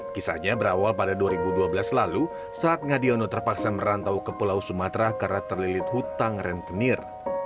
kisahnya berawal pada dua ribu dua belas lalu saat ngadiono terpaksa merantau ke pulau sumatera karena terlilit hutang rentenir